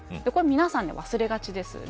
これ、皆さん忘れがちです。